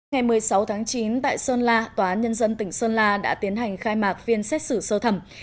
ngày một mươi sáu tháng chín tại sơn la tòa án nhân dân tỉnh sơn la đã tiến hành khai mạc phiên xét xử sơ thẩm